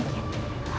itu sangat tidak mungkin